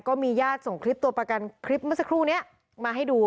ก็มีญาติส่งคลิปทางการนี้มาให้ดู